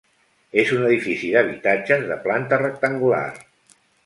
És un edifici d'habitatges de planta rectangular.